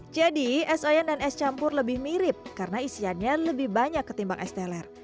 jadi es oyen dan es campur lebih mirip karena isiannya lebih banyak ketimbang es teler